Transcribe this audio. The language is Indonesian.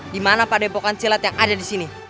dimana pak depokan cilat yang ada disini